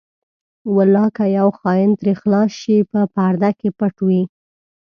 ولاکه یو خاین ترې خلاص شي په پرده کې پټ وي.